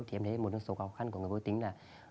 thì em thấy một số khó khăn của người vô tính là